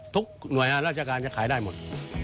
หน่วยงานราชการจะขายได้หมด